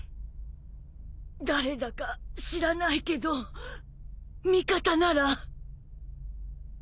誰だか知らないけど味方なら。